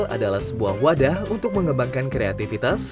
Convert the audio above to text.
adalah sebuah wadah untuk mengembangkan kreativitas